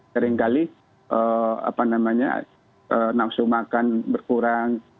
seringkali apa namanya nafsu makan berkurang